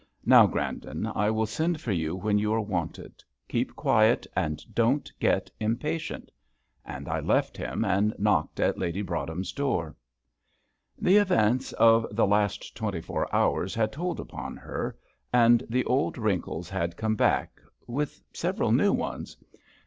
Now, Grandon, I will send for you when you are wanted; keep quiet, and don't get impatient;" and I left him and knocked at Lady Broadhem's door. The events of the last twenty four hours had told upon her, and the old wrinkles had come back, with several new ones.